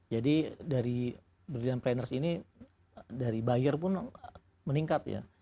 jadi dari brilliant planners ini dari buyer pun meningkat ya